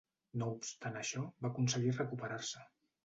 No obstant això, va aconseguir recuperar-se.